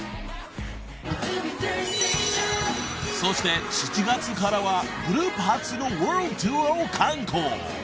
［そして７月からはグループ初のワールドツアーを敢行］